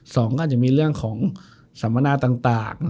สองก็อาจจะมีเรื่องของสัมมนาต่าง